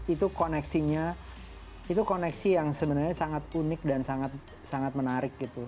itu koneksinya itu koneksi yang sebenarnya sangat unik dan sangat menarik gitu